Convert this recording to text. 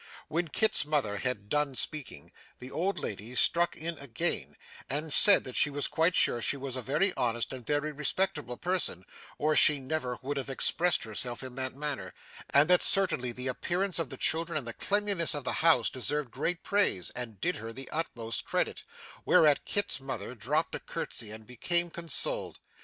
When Kit's mother had done speaking, the old lady struck in again, and said that she was quite sure she was a very honest and very respectable person or she never would have expressed herself in that manner, and that certainly the appearance of the children and the cleanliness of the house deserved great praise and did her the utmost credit, whereat Kit's mother dropped a curtsey and became consoled.